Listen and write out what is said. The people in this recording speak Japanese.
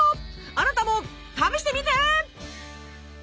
あなたも試してみて！